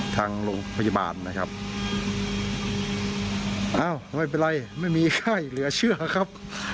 ทางโรงพยาบาลนะครับอ้าวไม่เป็นไรไม่มีไข้เหลือเชื่อครับ